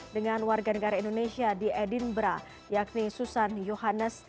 dengan warga negara indonesia di edinburgh yakni susan johannes